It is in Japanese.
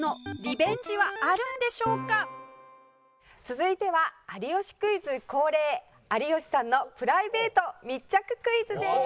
続いては『有吉クイズ』恒例有吉さんのプライベート密着クイズです！